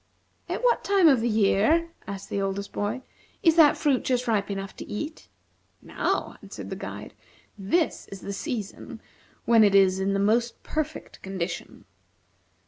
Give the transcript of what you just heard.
"At what time of the year," asked the oldest boy, "is that fruit just ripe enough to eat?" "Now," answered the guide. "This is the season when it is in the most perfect condition.